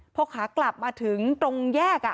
พอขากลับมาถึงตรงแยก